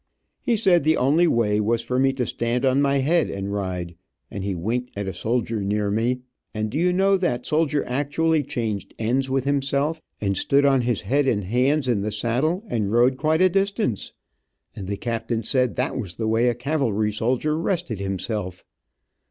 He said the only way was for me to stand on my head and ride, and he winked at a soldier near me, and, do you know, that soldier actually changed ends with himself and stood on his head and hands in the saddle and rode quite a distance, and the captain said that was the way a cavalry soldier rested himself.